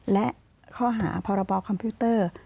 และข้อหาพรบคอมพิวเตอร์